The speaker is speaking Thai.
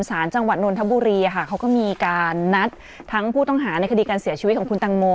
สารจังหวัดนนทบุรีเขาก็มีการนัดทั้งผู้ต้องหาในคดีการเสียชีวิตของคุณตังโม